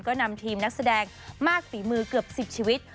ก็นำทีมนักแสดงมากฝีมือเกือบ๑๐ชีวิต